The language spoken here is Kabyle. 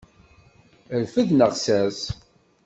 Rfed neɣ sers.